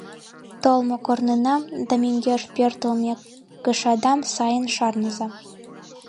Толмо корнынам да мӧҥгеш пӧртылмӧ кышадам сайын шарныза.